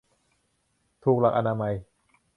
ถูกหลักอนามัย